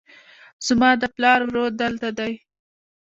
زما د پلار ورور دلته دی